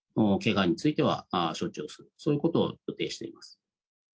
けがについては処置をする、そういうことを予定しています。